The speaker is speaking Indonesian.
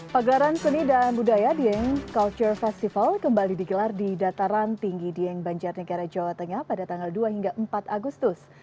pagelaran seni dan budaya dieng culture festival kembali digelar di dataran tinggi dieng banjarnegara jawa tengah pada tanggal dua hingga empat agustus